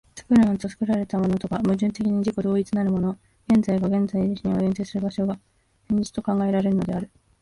作るものと作られたものとが矛盾的に自己同一なる所、現在が現在自身を限定する所が、現実と考えられるのである。